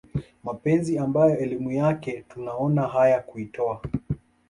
mapenzi ambayo elimu yake tunaona haya kuitowa